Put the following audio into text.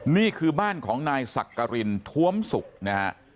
นี่คือบ้านของนายสักกะรินทวมศุกร์